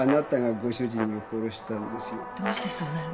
どうしてそうなるの？